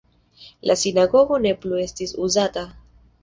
La sinagogo ne plu estis uzata.